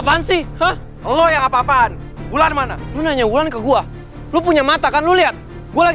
bruh enak banget